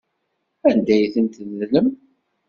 Anda ay tent-tedlem?